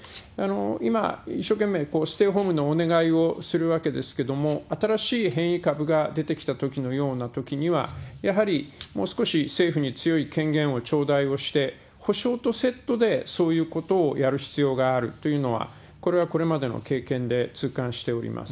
今、一生懸命ステイホームのお願いをするわけですけれども、新しい変異株が出てきたときのようなときには、やはりもう少し政府に強い権限を頂戴をして、補償とセットでそういうことをやる必要があるというのは、これはこれまでの経験で痛感しております。